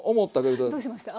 どうしました？